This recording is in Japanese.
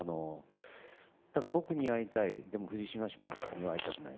ただ、僕に会いたいでも、藤島氏には会いたくない。